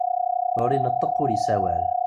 Ur ineṭṭeq ur isawal.